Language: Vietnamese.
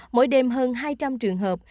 mỗi đêm hơn hai trăm linh trường hợp